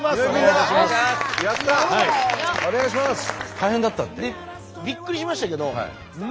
大変だったって？